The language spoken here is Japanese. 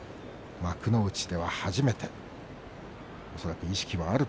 幕内では初めて。